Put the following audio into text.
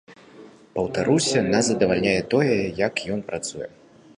Паўтаруся, нас задавальняе тое, як ён працуе.